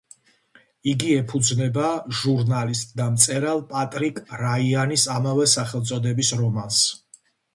იგი ეფუძნება ჟურნალისტ და მწერალ პატრიკ რაიანის ამავე სახელწოდების რომანს.